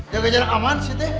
jangan jangan aman sih teh